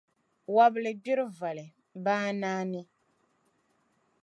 Wabili gbiri voli, baa naani.